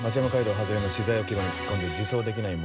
外れの資材置き場に突っ込んで自走できないもよう。